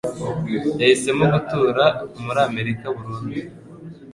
Yahisemo gutura muri Amerika burundu.